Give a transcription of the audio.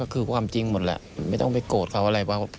คือความจริงหมดแหละไม่ต้องไปโกรธเขาอะไร